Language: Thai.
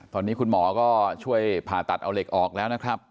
ตอนนี้คุณหมอก็ช่วยผ่าตัดเอาเหล็กออกแล้วนะครับ